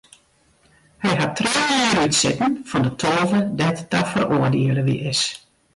Hy hat trije jier útsitten fan de tolve dêr't er ta feroardiele is.